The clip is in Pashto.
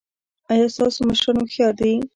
ایا ستاسو مشران هوښیار دي؟